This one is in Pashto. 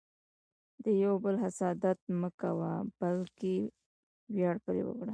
د یو بل حسادت مه کوه، بلکې ویاړ پرې وکړه.